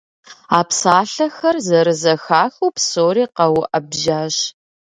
А псалъэхэр зэрызэхахыу псори къэуӀэбжьащ.